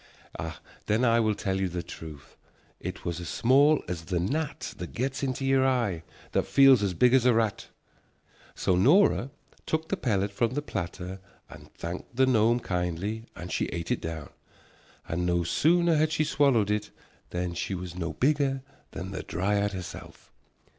Then I will tell you the truth. It was as small as the gnat that gets into your eye, that feels as big as a rat." So Nora took the pellet from the platter and thanked the gnome kindly and she ate it down, and no sooner had she swallowed it than she was no bigger than the dryad herself.